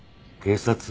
警察？